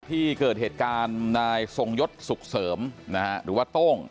ที่เกิดเหตุการณ์นายทรงยศสุขเสริมนะฮะหรือว่าโต้ง